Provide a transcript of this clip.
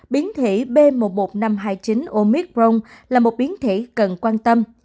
biến thể b một một năm trăm hai mươi chín omicron là một biến thể cần quan tâm